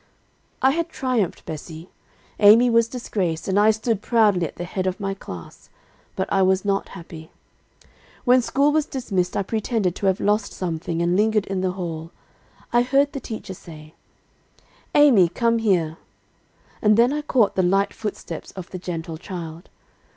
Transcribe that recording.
"I had triumphed, Bessie; Amy was disgraced, and I stood proudly at the head of my class, but I was not happy. "When school was dismissed, I pretended to have lost something, and lingered in the hall. I heard the teacher say, "'Amy, come here,' and then I caught the light footsteps of the gentle child.